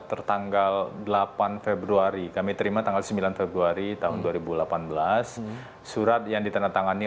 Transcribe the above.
tertanggal delapan februari kami terima tanggal sembilan februari tahun dua ribu delapan belas surat yang ditandatangani